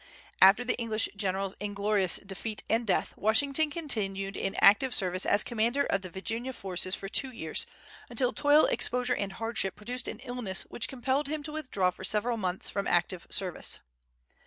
After the English general's inglorious defeat and death, Washington continued in active service as commander of the Virginia forces for two years, until toil, exposure, and hardship produced an illness which compelled him to withdraw for several months from active service.